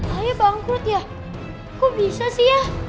ayo bangkrut ya kok bisa sih ya